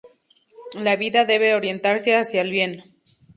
La vida debe orientarse hacia el bien.